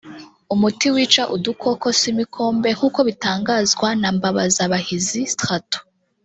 umuti wica udukoko (simikombe) nk’uko bitangazwa na Mbabazabahizi Straton